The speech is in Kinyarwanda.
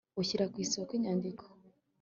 Ushyira ku isoko inyandiko